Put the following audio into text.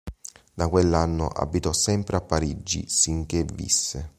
Da quell'anno abitò sempre a Parigi sinché visse.